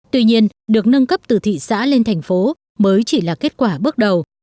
tuy nhiên được nâng cấp từ thị xã lên thành phố mới chỉ là kết quả bước đầu